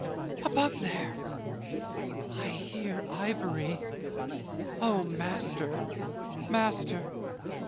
above there, I hear ivory—Oh, master! master!